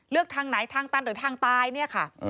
ทางไหนทางตันหรือทางตายเนี่ยค่ะ